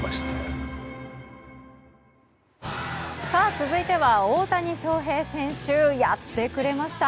続いては、大谷翔平選手やってくれました！